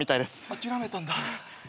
諦めたんだ。